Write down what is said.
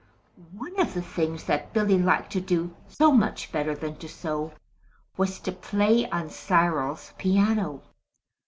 One of the things that Billy liked to do so much better than to sew was to play on Cyril's piano.